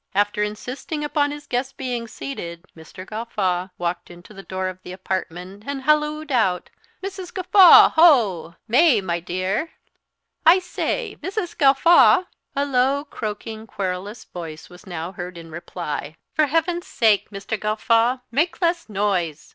After insisting upon his guests being seated, Mr. Gawffaw walked to the door of the apartment, and hallooed out, "Mrs. Gawffaw, ho! May, my dear! I say, Mrs. Gawffaw!" A low, croaking, querulous voice was now heard in reply, "For heaven's sake, Mr. Gawffaw, make less noise!